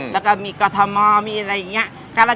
แล้วนี่คือที่บ้านเราเลย